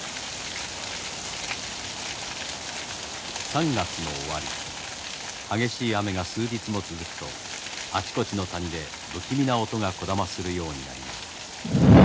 ３月の終わり激しい雨が数日も続くとあちこちの谷で不気味な音がこだまするようになります。